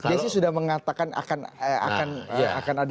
dia sih sudah mengatakan akan ada pergantian